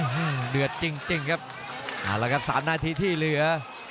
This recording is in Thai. เดือดจริงจริงครับเอาละครับสามนาทีที่เหลือ